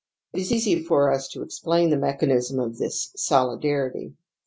It is easy for us to explain the mechan ism of this solidarity.